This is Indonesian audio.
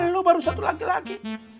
lu baru satu laki laki